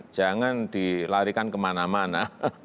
jangan dilarikan kemana mana